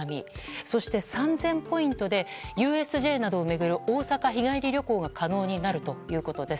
そして、３０００ポイントでＵＳＪなどを巡る大阪日帰り旅行が可能になるということです。